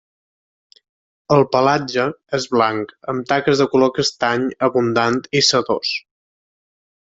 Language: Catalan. El pelatge és blanc, amb taques de color castany, abundant i sedós.